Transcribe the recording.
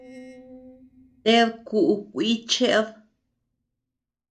Ted kuʼu kui cheʼed.